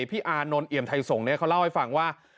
พี่อานนท์อิยมไทยสงฆ์เขาเล่าให้ฟังว่า